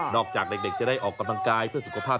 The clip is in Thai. จากเด็กจะได้ออกกำลังกายเพื่อสุขภาพ